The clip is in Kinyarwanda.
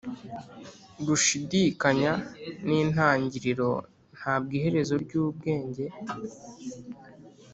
gushidikanya nintangiriro ntabwo iherezo ryubwenge